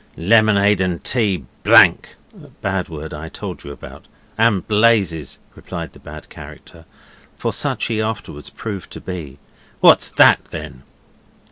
'Lemonade and tea! blank' (bad word I told you about) 'and blazes,' replied the bad character, for such he afterwards proved to be. 'What's THAT then?